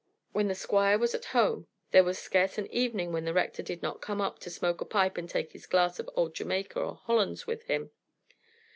When the Squire was at home there was scarce an evening when the Rector did not come up to smoke a pipe and take his glass of old Jamaica or Hollands with him.